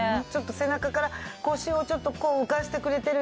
背中から腰をちょっとこう浮かせてくれてる